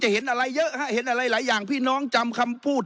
เห็นอะไรเยอะฮะเห็นอะไรหลายอย่างพี่น้องจำคำพูด